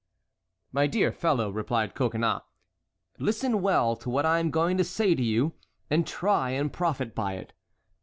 "My dear fellow," replied Coconnas, "listen well to what I am going to say to you and try and profit by it.